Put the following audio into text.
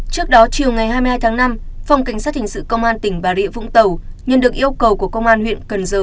trước đó chiều ngày hai mươi hai tháng năm phòng cảnh sát hình sự công an tỉnh bà rịa vũng tàu nhận được yêu cầu của công an huyện cần giờ